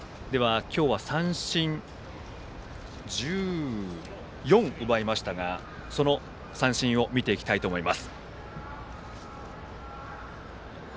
では三振、１４奪いましたがその三振を見ていきたいと思います。